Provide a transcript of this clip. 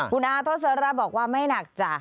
คุณอาทศระบอกว่าไม่หนักจ้ะ